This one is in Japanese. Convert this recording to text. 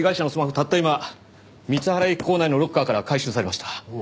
今光原駅構内のロッカーから回収されました。